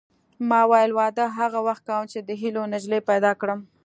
ما ویل واده هغه وخت کوم چې د هیلو نجلۍ پیدا کړم